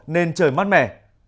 nên trời mát mẻ